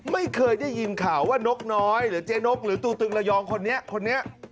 ไม่เคยได้ยินข่าวว่านกน้อยหรือเจ๊นกหรือตัวตึงระยองคนนี้คนนี้